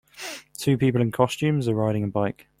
Two people in costumes are riding a bike.